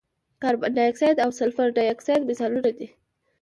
کاربن ډای اکسایډ او سلفر ډای اکساید مثالونه دي.